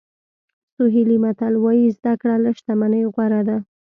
سوهیلي متل وایي زده کړه له شتمنۍ غوره ده.